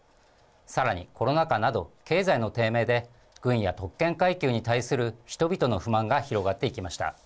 さらにコロナ禍など、経済の低迷で、軍や特権階級に対する人々の不満が広がっていきました。